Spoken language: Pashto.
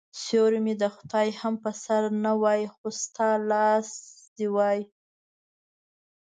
سیوری مې د خدای هم په سر نه وای خو ستا لاس دي وای